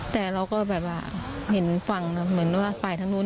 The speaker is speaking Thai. แต่เราก็เห็นฝั่งเหมือนว่าฝ่ายทางนู้น